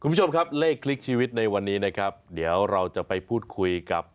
คุณผู้ชมครับเลขคลิกชีวิตในวันนี้นะครับเดี๋ยวเราจะไปพูดคุยกับ